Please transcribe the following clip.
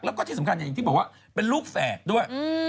แล้วก็ที่สำคัญอย่างที่บอกว่าเป็นลูกแฝดด้วย